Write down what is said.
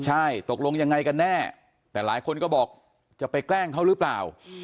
ใช่ตกลงยังไงกันแน่แต่หลายคนก็บอกจะไปแกล้งเขาหรือเปล่า